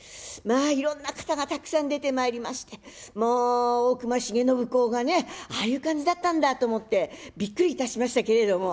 まあいろんな方がたくさん出てまいりましてもう大隈重信公がねああいう感じだったんだと思ってびっくりいたしましたけれども。